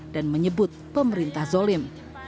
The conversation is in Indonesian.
dan menyebut pemerintah zolim